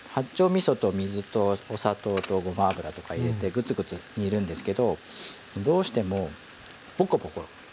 みそと水とお砂糖とごま油とか入れてグツグツ煮るんですけどどうしてもポコポコ出てくるんですよ。